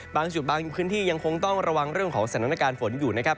บางจุดบางพื้นที่ยังคงต้องระวังเรื่องของสถานการณ์ฝนอยู่นะครับ